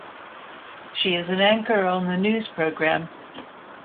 She is an anchor on the news programme.